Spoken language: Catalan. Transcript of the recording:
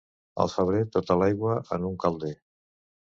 Al febrer, tota l'aigua en un calder.